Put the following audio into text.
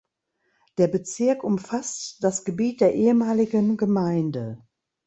Der Bezirk umfasst das Gebiet der ehemaligen Gemeinde.